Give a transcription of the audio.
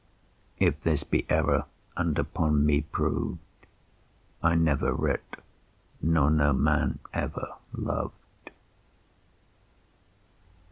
If this be error and upon me proved, I never writ, nor no man ever loved.